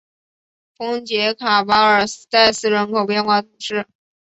丰捷卡巴尔代斯人口变化图示